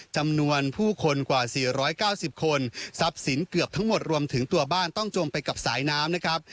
จำนวนผู้คนกว่า๔๙๐คนทรัพย์สินเกือบทั้งหมดรวมถึงตัวบ้านต้องจมไปกับสายน้ำนะครับ